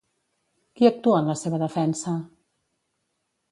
Qui actua en la seva defensa?